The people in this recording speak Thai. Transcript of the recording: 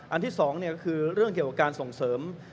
อันที่สองเนี่ยคือเรื่องเกี่ยวกับการส่งเสริม